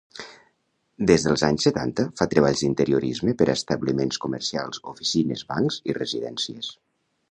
Des dels anys setanta fa treballs d'interiorisme per a establiments comercials, oficines, bancs i residències.